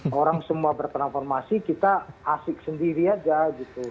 kalau orang semua bertransformasi kita asik sendiri aja gitu